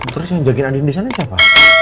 terus yang jagain andi di sana siapa